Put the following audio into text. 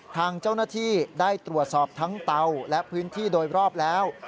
ทางเจ้าหน้าที่ได้ตรวจสอบทั้งเตาและพื้นที่โดยรอบแล้ว